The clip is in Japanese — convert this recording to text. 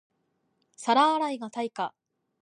皿洗いが対価